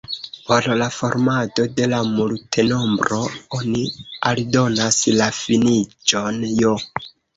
Por la formado de la multenombro oni aldonas la finiĝon j.